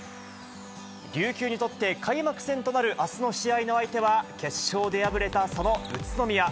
琉球にとって、開幕戦となるあすの試合の相手は、決勝で敗れたその宇都宮。